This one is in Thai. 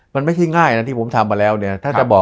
มันไม่ใช่ง่ายนะที่ผมทำมาแล้วเนี่ยถ้าจะบอก